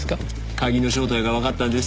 鍵の正体がわかったんです。